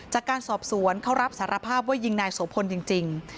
จากการสอบสวนเขารับสารภาพว่ายิงนายโสพลจริง